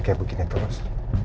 kayak begini terus